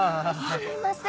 すみません